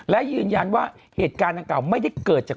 และยืนยันว่าเหตุการณ์ดังกล่าไม่ได้เกิดจาก